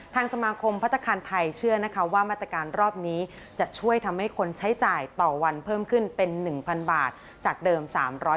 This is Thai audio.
ทางสมาคมพัฒนาคารไทยเชื่อนะคะว่ามาตรการรอบนี้จะช่วยทำให้คนใช้จ่ายต่อวันเพิ่มขึ้นเป็น๑๐๐๐บาทจากเดิม